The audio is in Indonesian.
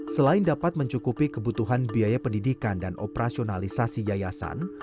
selain dapat mencukupi kebutuhan biaya pendidikan dan operasionalisasi yayasan